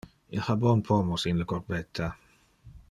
Il ha bon pomos in le corbetta.